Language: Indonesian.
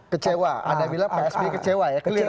kecewa ada bila pak sb kecewa ya